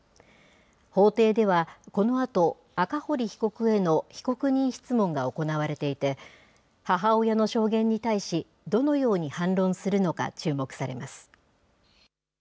法廷ではこのあと、赤堀被告への被告人質問が行われていて、母親の証言に対し、どのように反論するのか注目されます。